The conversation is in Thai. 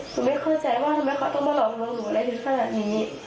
ไม่เข้าใจว่าทำไมเขาต้องมาหลอกลวงหนูอะไรถึงขนาดนี้